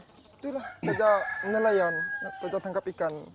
itulah untuk menelayan untuk menangkap ikan